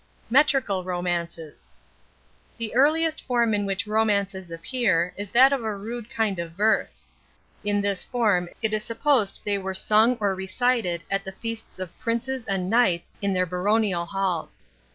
METRICAL ROMANCES The earliest form in which romances appear is that of a rude kind of verse. In this form it is supposed they were sung or recited at the feasts of princes and knights in their baronial halls.